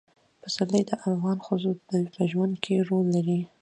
پسرلی د افغان ښځو په ژوند کې رول لري.